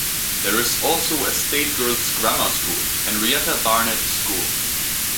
There is also a state girls' grammar school, Henrietta Barnett School.